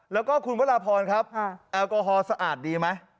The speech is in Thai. แล้วก็คุณวราพรครับแอลกอฮอลสะอาดดีไหม